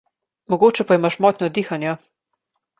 Mogoče pa imaš motnjo dihanja.